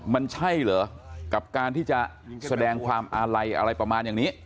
มันใช่เหรอกับการที่จะแสดงความอาลัยอะไรประมาณอย่างนี้